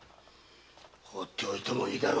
ほっておいてもいいだろう。